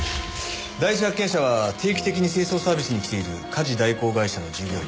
第一発見者は定期的に清掃サービスに来ている家事代行会社の従業員。